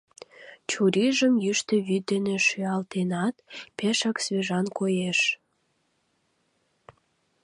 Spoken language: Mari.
Чурийжым йӱштӧ вӱд дене шӱалтенат, пешак свежан коеш.